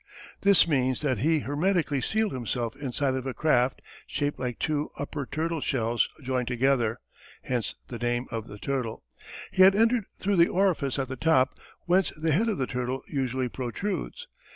This means that he hermetically sealed himself inside of a craft, shaped like two upper turtle shells joined together hence the name of the Turtle. He had entered through the orifice at the top, whence the head of the turtle usually protrudes.